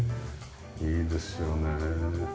いいですよね。